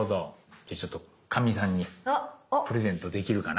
じゃあちょっとかみさんにプレゼントできるかな。